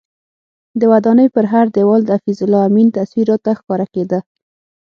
د ودانۍ پر هر دیوال د حفیظ الله امین تصویر راته ښکاره کېده.